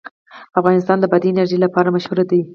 افغانستان د بادي انرژي لپاره مشهور دی.